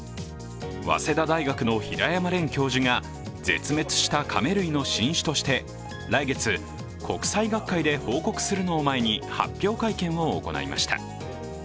早稲田大学の平山廉教授が絶滅したカメ類の新種として来月、国際学会で報告するのを前に発表会見を行いました。